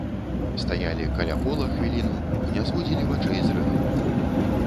Стаялі каля кола хвіліну, не зводзілі вачэй з рэхвы.